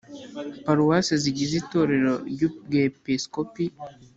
Paruwase zigize itorero ry Ubwepiskopi